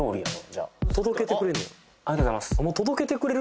じゃあありがとうございます